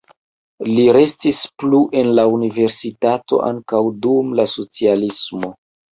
Li restis plu en la universitato ankaŭ dum la socialismo.